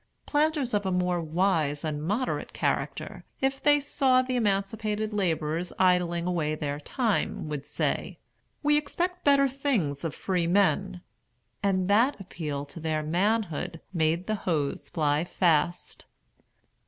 Planters of a more wise and moderate character, if they saw the emancipated laborers idling away their time, would say, "We expect better things of free men"; and that appeal to their manhood made the hoes fly fast.